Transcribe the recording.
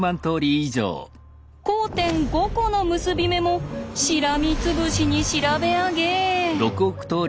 交点５コの結び目もしらみつぶしに調べ上げ。